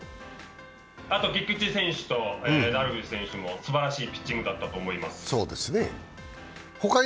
あと菊池選手とダルビッシュ選手もすばらしいピッチングだったと思います。